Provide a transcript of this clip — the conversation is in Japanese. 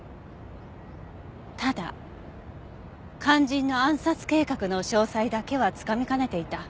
ただ肝心の暗殺計画の詳細だけはつかみかねていた。